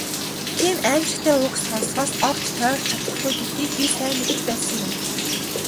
Тийм «аймшигт» үг сонсохоос огт тойрч чадахгүй гэдгийг би сайн мэдэж байсан юм.